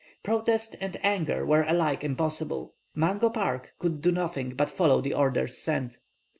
Protest and anger were alike impossible; Mungo Park could do nothing but follow the orders sent.